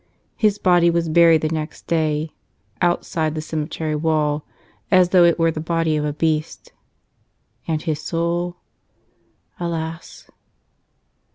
His body was buried the next day — outside the cemetery wall, as though it were the body of a beast. And his soul? Alas